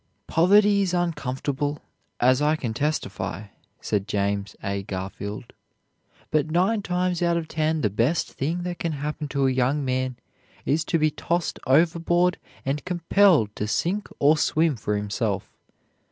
"Poverty is uncomfortable, as I can testify," said James A. Garfield; "but nine times out of ten the best thing that can happen to a young man is to be tossed overboard and compelled to sink or swim for himself.